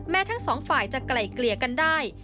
ทั้งสองฝ่ายจะไกล่เกลี่ยกันได้